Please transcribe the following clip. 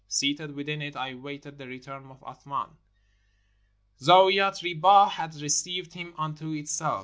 Seated within it I awaited the return of Athman. Zaouiat Ribah had received him unto itself.